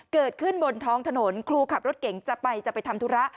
เกิดขึ้นบนท้องถนนครูขับรถเก่งจะไปจะไปทำธุระ